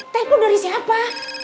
telepon dari siapa